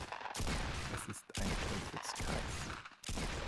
Es ist ein Teufelskreis.